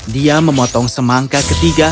dia memotong semangka ketiga